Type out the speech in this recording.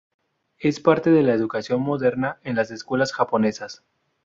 Es parte de la educación moderna en las escuelas japonesas.